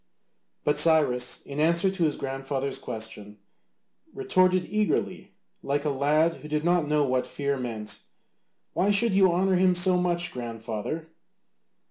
But Cyrus, in answer to his grandfather's question retorted eagerly, like a lad who did not know what fear meant, "And why should you honour him so much, grandfather?"